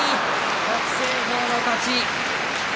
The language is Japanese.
北青鵬の勝ち。